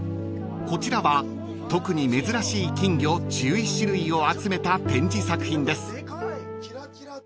［こちらは特に珍しい金魚１１種類を集めた展示作品です］